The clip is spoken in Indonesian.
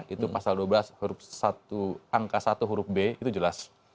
itu pasal dua belas angka satu huruf b itu jelas